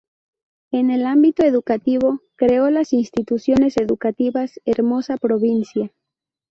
En el ámbito educativo, creó las Instituciones Educativas Hermosa Provincia.